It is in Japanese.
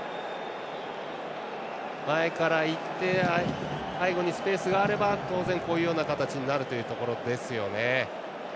前から行って背後にスペースがあれば当然、こういうような形になるというところですよね。